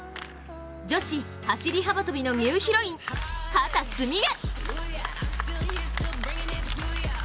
女子走り幅跳びのニューヒロイン秦澄美鈴。